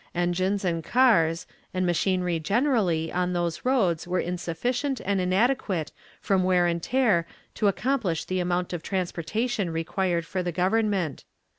Engines and care, and machinery generally, on these roads were insufficient and inadequate from wear and tear to accomplish the amount of transportation required for the Government.